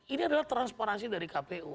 ini adalah transparansi dari kpu